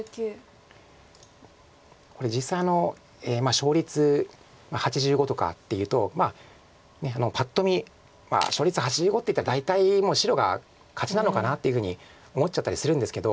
これ実際勝率８５とかっていうとまあパッと見勝率８５っていったら大体もう白が勝ちなのかなっていうふうに思っちゃったりするんですけど。